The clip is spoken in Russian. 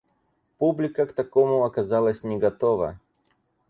Публика к такому оказалась не готова.